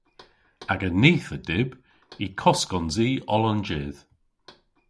Aga nith a dyb y koskons i oll an jydh.